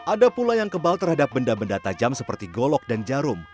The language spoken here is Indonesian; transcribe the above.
ada pula yang kebal terhadap benda benda tajam seperti golok dan jarum